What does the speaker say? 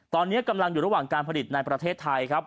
ตอนนี้กำลังอยู่ระหว่างการผลิตในประเทศไทยครับ